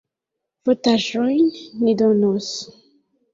Fotaĵojn ni donos.